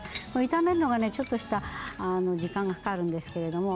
炒めるのがねちょっとした時間がかかるんですけども。